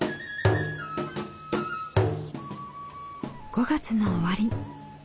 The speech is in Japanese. ５月の終わり。